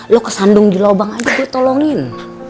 lo kesandung di lubang aja gue tolongin